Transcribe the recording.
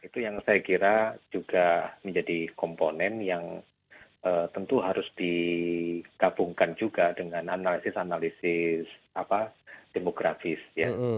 itu yang saya kira juga menjadi komponen yang tentu harus digabungkan juga dengan analisis analisis demografis ya